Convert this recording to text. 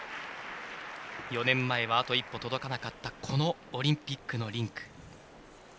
４年前はあと一歩届かなかったこのオリンピックのリンク。